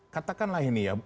katakanlah ini ya